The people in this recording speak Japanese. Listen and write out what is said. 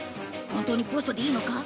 ホントにポストでいいのか？